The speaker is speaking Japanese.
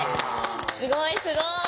すごいすごい。